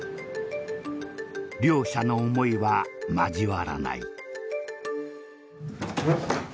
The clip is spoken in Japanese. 両者の思いは交わらない。